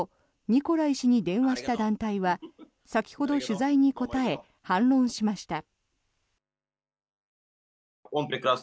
ニコライ氏に電話した団体は先ほど取材に答え反論しました。